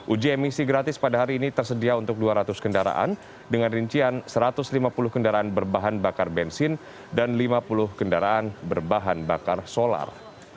uji emisi gratis pada hari ini tersedia untuk dua ratus kendaraan dengan rincian satu ratus lima puluh kendaraan berbahan bakar bensin dan lima puluh kendaraan berbahan bakar solar